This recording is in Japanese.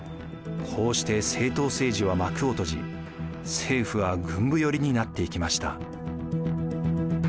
こうして政党政治は幕を閉じ政府は軍部寄りになっていきました。